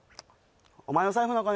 お前の財布の金？